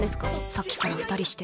さっきから２人して。